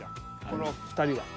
この２人は。